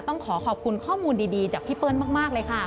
ต้องขอขอบคุณข้อมูลดีจากพี่เปิ้ลมากเลยค่ะ